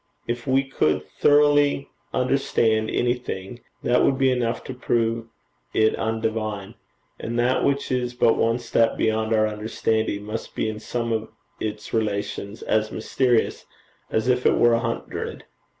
If we could thoroughly understand anything, that would be enough to prove it undivine; and that which is but one step beyond our understanding must be in some of its relations as mysterious as if it were a hundred.